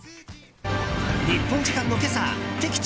日本時間の今朝敵地